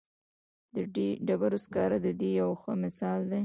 د ډبرو سکاره د دې یو ښه مثال دی.